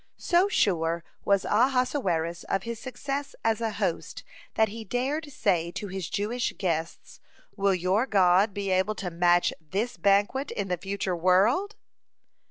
(26) So sure was Ahasuerus of his success as a host that he dared say to his Jewish guests: "Will your God be able to match this banquet in the future world?"